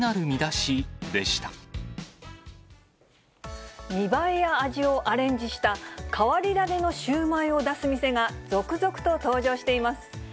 見栄えや味をアレンジした変わり種のシューマイを出す店が、続々と登場しています。